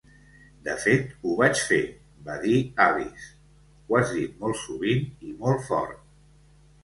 "De fet, ho vaig fer", va dir Alice: "ho has dit molt sovint i molt fort".